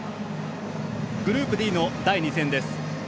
グループＤの第２戦です。